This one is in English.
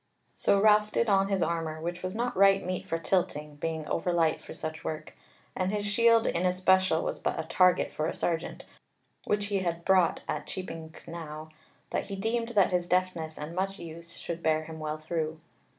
So Ralph did on his armour, which was not right meet for tilting, being over light for such work; and his shield in especial was but a target for a sergeant, which he had brought at Cheaping Knowe; but he deemed that his deftness and much use should bear him well through.